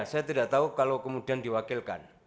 saya tidak tahu kalau kemudian diwakilkan